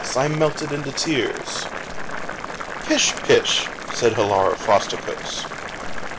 I melted into tears! "Pish! pish!" said Hilaro Frosticos.